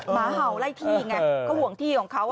หมาเห่าไล่ที่ไงเขาห่วงที่ของเขา